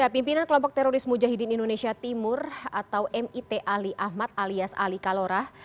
pimpinan kelompok teroris mujahidin indonesia timur atau mit ali ahmad alias ali kalora